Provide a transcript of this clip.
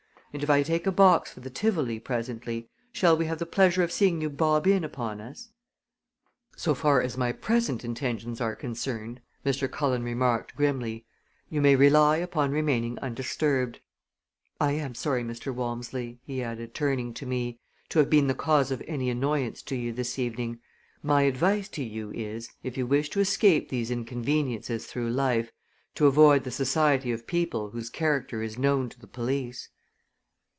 And if I take a box for the Tivoli presently, shall we have the pleasure of seeing you bob in upon us?" "So far as my present intentions are concerned," Mr. Cullen remarked grimly, "you may rely upon remaining undisturbed. I am sorry, Mr. Walmsley," he added, turning to me, "to have been the cause of any annoyance to you this evening. My advice to you is, if you wish to escape these inconveniences through life, to avoid the society of people whose character is known to the police."